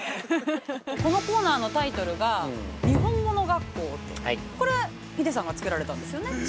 このコーナーのタイトルが、「にほんもの学校」ってこれは英さんがつけられたんですよね？